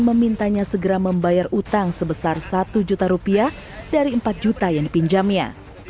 memintanya segera membayar utang sebesar satu juta rupiah dari empat juta yang dipinjamnya